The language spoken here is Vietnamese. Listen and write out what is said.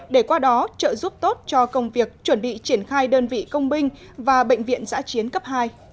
để qua đó trợ giúp tốt cho công việc chuẩn bị triển khai đơn vị công binh và bệnh viện giã chiến cấp hai